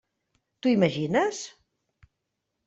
T'ho imagines?